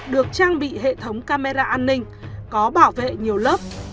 được trang bị hệ thống camera an ninh có bảo vệ nhiều lớp